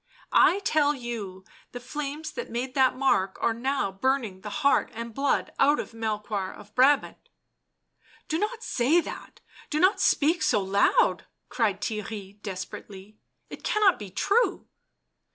" I tell you the flames that made that mark are now burning the heart and blood out of Melehoir of Brabant." " Do not say that — do not speak so loud !" cried Theirry desperately, " it cannot be true."